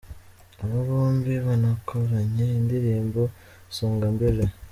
Aba bombi banakoranye indirimbo ‘ Songa mbele’.